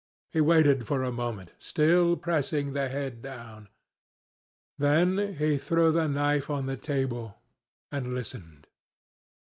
He waited for a moment, still pressing the head down. Then he threw the knife on the table, and listened.